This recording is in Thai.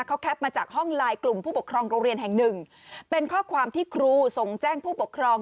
เขาแคปมาจากห้องไลน์กลุ่มผู้ปกครองโรงเรียนแห่งหนึ่งเป็นข้อความที่ครูส่งแจ้งผู้ปกครอง